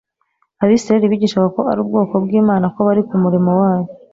Abisiraeli bigishaga ko ari ubwoko bw'Imana, ko bari ku murimo wayo;